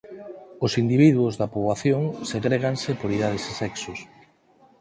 Os individuos da poboación segréganse por idades e sexos.